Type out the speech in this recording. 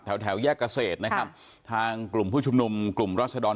แถวแถวแยกเกษตรนะครับทางกลุ่มผู้ชุมนุมกลุ่มรัศดร